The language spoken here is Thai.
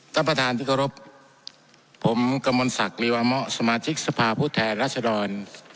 ท่านประธานที่เคารพผมกระมวลศักดิวามะสมาชิกสภาพผู้แทนรัศดร